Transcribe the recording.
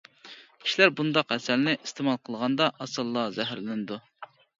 كىشىلەر بۇنداق ھەسەلنى ئىستېمال قىلغاندا ئاسانلا زەھەرلىنىدۇ.